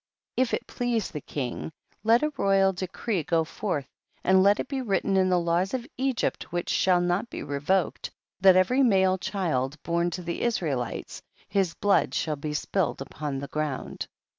21. If it please the king, let a royal decree go forth, and let it be written in the laws of Egypt which shall not be revoked, that every male child born to the Israelites, his blood shall be spilled upon the ground.